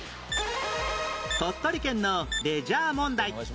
鳥取県のレジャー問題